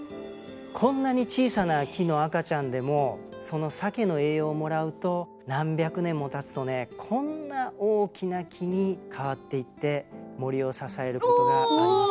こんなに小さな木の赤ちゃんでもそのサケの栄養をもらうと何百年もたつとねこんな大きな木に変わっていって森を支えることがあります。